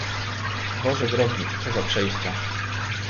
"Boże drogi, co za przejścia!"